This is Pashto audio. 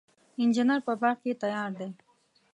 انجیر په باغ کې تیار دی.